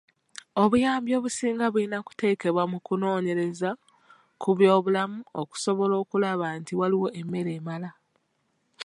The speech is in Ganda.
Obuyambi obusinga bulina kuteekebwa mu kunoonyereza ku byobulima okusobola okulaba nti waliwo emmere emala.